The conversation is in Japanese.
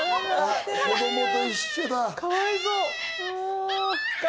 子供と一緒だ。